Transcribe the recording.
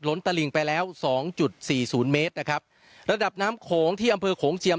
ตะลิงไปแล้วสองจุดสี่ศูนย์เมตรนะครับระดับน้ำโขงที่อำเภอโขงเจียม